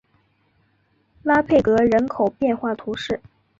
拉佩格人口变化图示